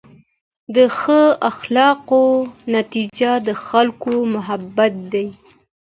د ښه اخلاقو نتیجه د خلکو محبت دی.